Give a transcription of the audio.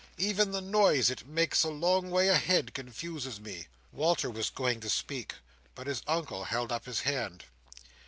Even the noise it makes a long way ahead, confuses me." Walter was going to speak, but his Uncle held up his hand.